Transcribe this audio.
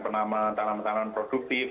penanaman tanaman tanaman produktif